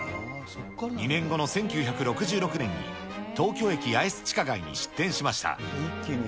２年後の１９６６年に、東京駅八重洲地下街に出店しました。